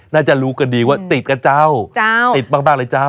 น่าจะรู้กันดีว่าติดกับเจ้าติดมากเลยเจ้า